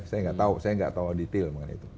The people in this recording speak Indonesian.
saya tidak tahu detail mengenai itu